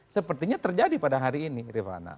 sepertinya terjadi pada hari ini rifana